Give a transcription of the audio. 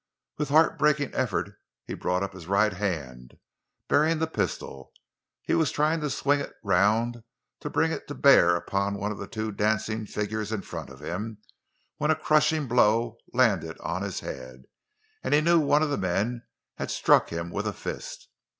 With heartbreaking effort he brought up his right hand, bearing the pistol. He was trying to swing it around to bring it to bear upon one of the two dancing figures in front of him, when a crushing blow landed on his head, and he knew one of the men had struck him with a fist.